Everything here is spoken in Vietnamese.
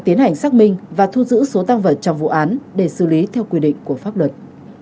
tiến hành xác minh và thu giữ số tăng vật trong vụ án để xử lý theo quy định của pháp luật